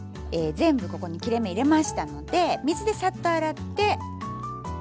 全部ここに切れ目入れましたので水でサッと洗って。